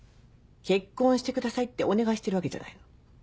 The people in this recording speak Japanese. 結婚してくださいってお願いしてるわけじゃないの。